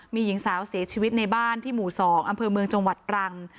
มีหญิงสาวเสียชีวิตในบ้านที่หมู่๒อำเภอเมืองจังหวัดตรัง